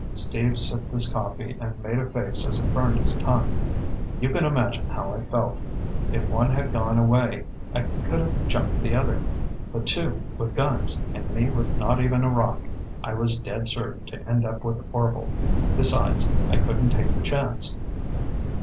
Steve sipped his coffee and made a face as it burned his tongue. "You can imagine how I felt. If one had gone away, I could have jumped the other. But two with guns, and me with not even a rock I was dead certain to end up with Orvil. Besides, I couldn't take the chance."